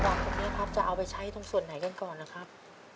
มีเงินหลังวันตรงนี้ครับจะเอาไปใช้ตรงส่วนไหนกันก่อนนะครับ